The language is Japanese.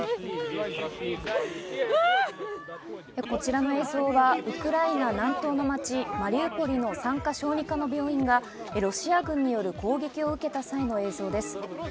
こちらの映像はウクライナ南東の町マリウポリの産科・小児科の病院がロシア軍による攻撃を受けた際の映像です。